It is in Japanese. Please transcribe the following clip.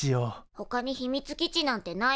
ほかに秘密基地なんてないわ。